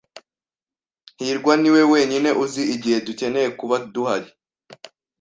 hirwa niwe wenyine uzi igihe dukeneye kuba duhari.